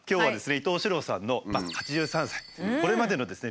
伊東四朗さんのまあ８３歳これまでのですね